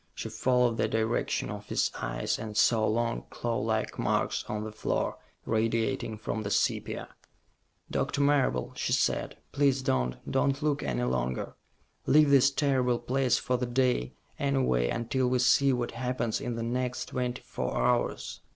She followed the direction of his eyes, and saw long, clawlike marks on the floor, radiating from the sepia. "Doctor Marable," she said, "please don't don't look any longer. Leave this terrible place for the day, anyway, until we see what happens in the next twenty four hours."